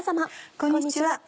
こんにちは。